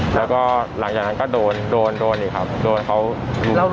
แล้วก็หลังจากนั้นก็โดนโดนโดนอีกครับโดนเขายิง